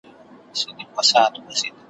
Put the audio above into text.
ستا هینداره ونیسم څوک خو به څه نه وايي ,